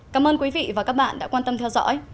cảm ơn quý vị và các bạn đã quan tâm theo dõi